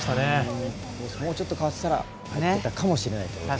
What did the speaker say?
もうちょっと変わってたら入ってたかもしれないですね。